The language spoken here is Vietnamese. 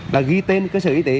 là ghi tên cơ sở y tế